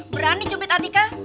berani cupit atika